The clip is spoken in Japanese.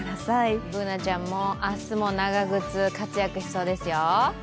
Ｂｏｏｎａちゃんも明日も長靴活躍しそうですよ。